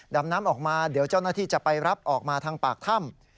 ดำน้ำออกมาเดี๋ยวเจ้าหน้าที่จะไปรับออกมาทางปากถ้ำ